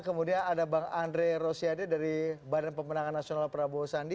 kemudian ada bang andre rosiade dari badan pemenangan nasional prabowo sandi